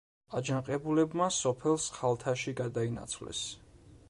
აჯანყებულებმა სოფელ სხალთაში გადაინაცვლეს.